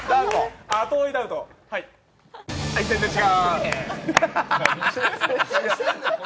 はい、全然違う。